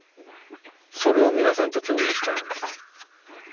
それを皆さんと共有したいんです。